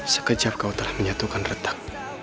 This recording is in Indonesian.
sekejar kau telah menyatukan retak